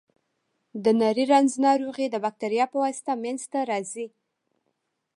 د نري رنځ ناروغي د بکتریا په واسطه منځ ته راځي.